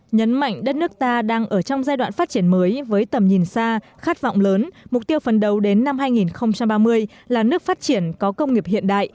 nhấn mạnh đất nước ta đang ở trong giai đoạn phát triển mới với tầm nhìn xa khát vọng lớn mục tiêu phấn đấu đến năm hai nghìn ba mươi là nước phát triển có công nghiệp hiện đại